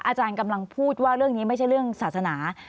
อาจารย์กำลังพูดว่าเรื่องนี้ไม่ใช่เรื่องศาสนา